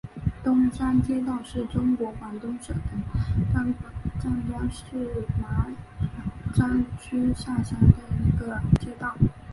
东山街道是中国广东省湛江市麻章区下辖的一个街道。